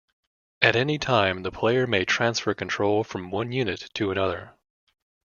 At any time, the player may transfer control from one unit to another.